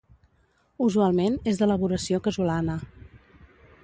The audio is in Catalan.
Usualment és d'elaboració casolana.